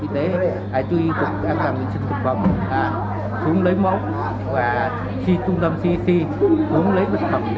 chư y tế đã truy tục các bệnh nhân thực phẩm xuống lấy mẫu và trung tâm y tế xuống lấy bất phẩm